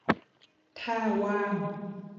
ถ้าว่าง